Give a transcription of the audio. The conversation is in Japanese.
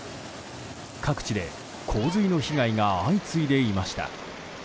各地で洪水の被害が相次いでいました。